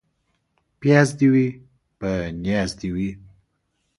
پياز دي وي ، په نياز دي وي.